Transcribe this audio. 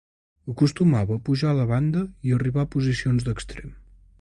Acostumava a pujar la banda i arribar a posicions d'extrem.